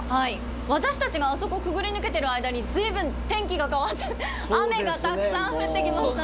私たちがあそこくぐり抜けてる間に随分天気が変わって雨がたくさん降ってきましたね。